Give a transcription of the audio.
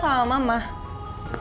aku teleponan sama mama